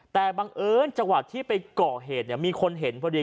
แต่บังเอิญจังหวะที่ไปก่อเหตุเนี่ยมีคนเห็นพอดี